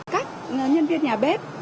các nhân viên nhà bếp